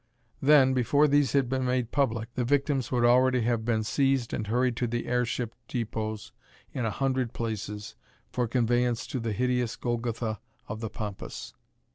Then, before these had been made public, the victims would already have been seized and hurried to the airship depots in a hundred places, for conveyance to the hideous Golgotha of the pampas.